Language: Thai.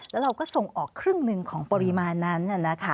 แล้วเราก็ส่งออกครึ่งหนึ่งของปริมาณนั้น